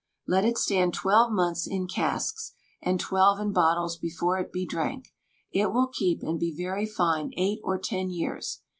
Let it stand twelve months in casks, and twelve in bottles before it be drank. It will keep, and be very fine, eight or ten years.